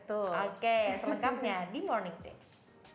betul oke selengkapnya di morning tips